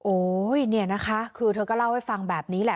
โอ้ยเนี่ยนะคะคือเธอก็เล่าให้ฟังแบบนี้แหละ